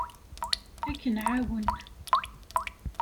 Ad k-nɛawen.